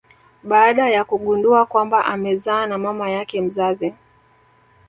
baada ya kugundua kwamba amezaa na mama yake mzazi.